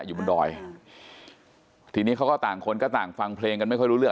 อยู่บนดอยทีนี้เขาก็ต่างคนก็ต่างฟังเพลงกันไม่ค่อยรู้เรื่อง